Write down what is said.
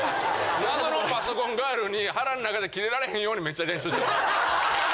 謎のパソコンガールに腹ん中でキレられへんようにめっちゃ練習してます。